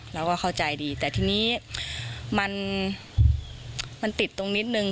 เราก็เข้าใจดีแต่ทีนี้มันติดตรงนิดนึง